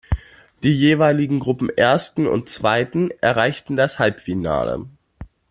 Die jeweiligen Gruppenersten und -zweiten erreichten das Halbfinale.